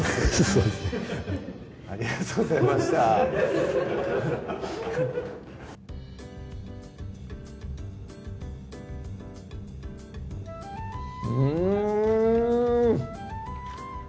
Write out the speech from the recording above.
そうですねありがとうございましたうん！